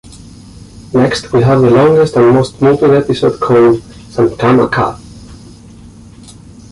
Next we have the longest and most moving episode called 'Sankamma kathe'.